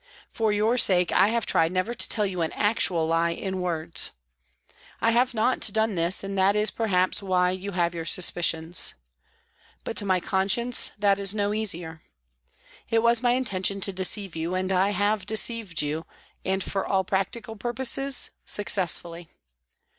For your sake I have tried never to tell you an actual lie in words. I have not done this, and that is, perhaps, DEPUTATION TO PRIME MINISTER 33 why you have your suspicions. But to my con science that is no easier. It was my intention to deceive you, and I have deceived you, and, for all practical purposes, successfully.